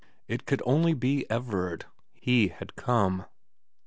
It could only be Everard. He had come.